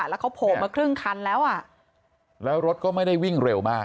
แล้วเขาโผล่มาครึ่งคันแล้วอ่ะแล้วรถก็ไม่ได้วิ่งเร็วมาก